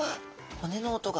骨の音が。